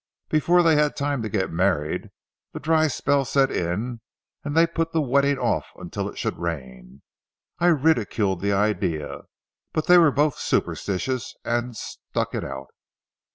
Before they had time to get married, the dry spell set in and they put the wedding off until it should rain. I ridiculed the idea, but they were both superstitious and stuck it out.